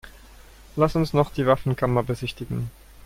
Lass uns noch die Waffenkammer besichtigen.